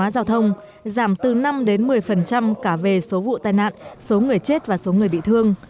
giao thông giảm từ năm đến một mươi cả về số vụ tai nạn số người chết và số người bị thương